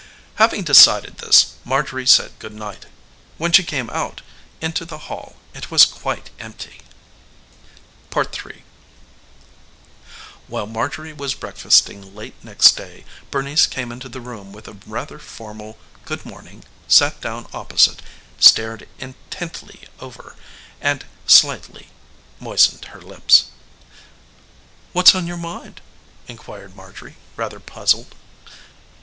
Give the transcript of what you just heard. Having decided this, Marjorie said good night. When she came out into the hall it was quite empty. III While Marjorie was breakfasting late next day Bernice came into the room with a rather formal good morning, sat down opposite, stared intently over and slightly moistened her lips. "What's on your mind?" inquired Marjorie, rather puzzled.